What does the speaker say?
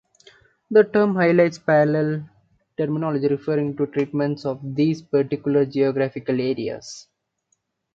The term highlights parallel terminology referring to treatments of these of particular geographical areas.